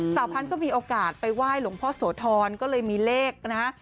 พันธุ์ก็มีโอกาสไปไหว้หลวงพ่อโสธรก็เลยมีเลขนะฮะ